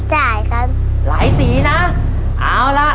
หลายสีนะ